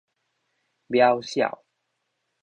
渺小